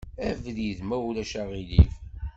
Abrid, ma ulac aɣilif.